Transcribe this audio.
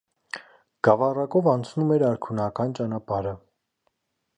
Գավառակով անցնում էր արքունական ճանապարհը։